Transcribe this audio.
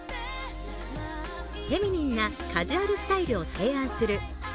フェミニンなカジュアルスタイルを提案する